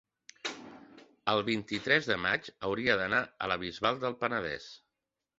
el vint-i-tres de maig hauria d'anar a la Bisbal del Penedès.